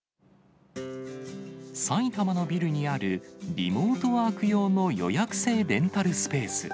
埼玉のビルにあるリモートワーク用の予約制レンタルスペース。